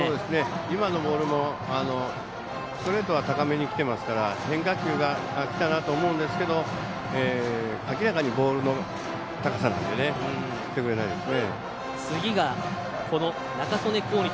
今のボールもストレートは高めにきてますから変化球がきたなと思うんですけど明らかにボールの高さなので振ってくれないですね。